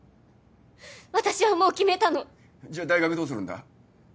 私はもう決めたのじゃ大学どうするんだ？